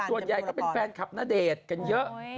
ส่วนใหญ่ก็เป็นแฟนคลับณเดชน์กันเยอะ